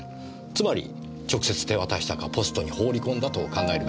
つまり直接手渡したかポストに放り込んだと考えるべきでしょうね。